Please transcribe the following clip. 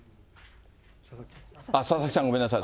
佐々木さん、ごめんなさい。